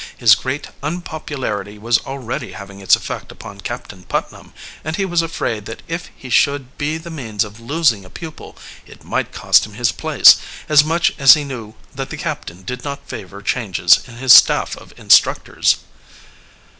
His great unpopularity was already having its effect upon Captain Putnam, and he was afraid that if he should be the means of losing a pupil it might cost him his place, as much as he knew that the captain did not favor changes in his staff of instructors.